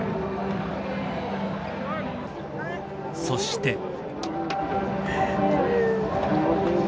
そして。